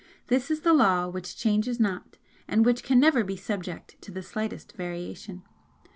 This is the Law which changes not and which can never be subject to the slightest variation.